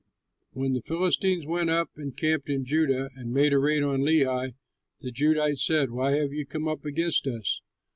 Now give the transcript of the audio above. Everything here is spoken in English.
When the Philistines went up and camped in Judah and made a raid on Lehi, the Judahites said, "Why have you come up against us?"